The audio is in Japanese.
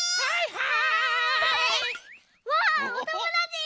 はい！